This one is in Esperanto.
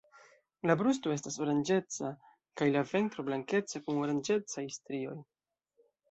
La brusto estas oranĝeca, kaj la ventro blankeca kun oranĝecaj strioj.